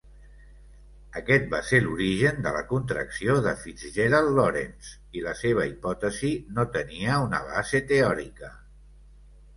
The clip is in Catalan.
Aquest va ser l'origen de la contracció de FitzGerald-Lorentz, i la seva hipòtesi no tenia una base teòrica.